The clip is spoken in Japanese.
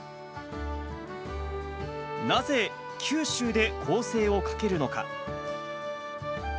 なぜ九州で攻勢をかけるのか。